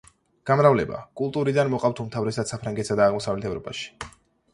გამრავლება: კულტურიდან, მოყავთ უმთავრესად საფრანგეთსა და აღმოსავლეთ ევროპაში.